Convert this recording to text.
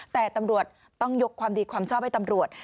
แต่ตำรวจต้องยกความดีความชอบให้ตำรวจ